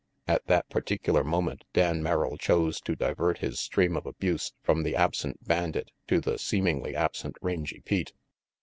At that particular moment Dan Merrill chose to divert his stream of abuse from the absent bandit to the seemingly absent Rangy Pete.